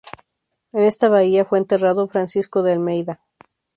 En esta bahía fue enterrado Francisco de Almeida.